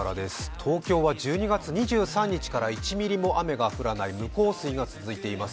東京は１２月２３日から１ミリも雨が降らない無降水が続いています。